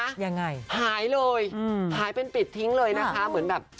หายหายหายเป็นปิดทิ้งเลยนะฮะเหมือนแบบ